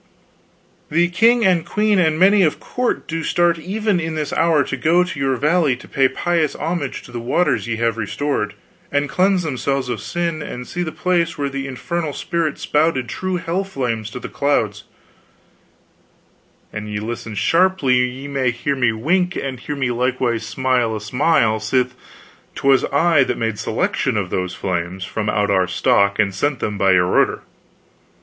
"The king and queen and many of the court do start even in this hour, to go to your valley to pay pious homage to the waters ye have restored, and cleanse themselves of sin, and see the place where the infernal spirit spouted true hell flames to the clouds an ye listen sharply ye may hear me wink and hear me likewise smile a smile, sith 'twas I that made selection of those flames from out our stock and sent them by your order."